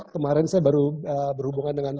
kemarin saya baru berhubungan dengan